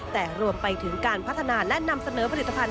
แต่รวมไปถึงการพัฒนาและนำเสนอผลิตภัณฑ